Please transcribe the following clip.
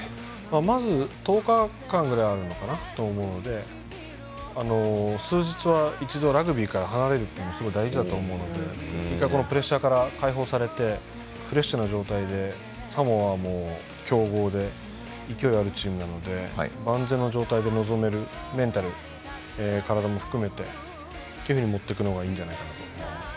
まず１０日間ぐらいあると思うので数日は、一度ラグビーから離れることもすごい大事だと思うので１回プレッシャーから解放されて、フレッシュな状態でサモアも強豪で勢いがあるチームなので万全の状態で臨めるメンタル体も含めてというふうに持っていくのがいいと思います。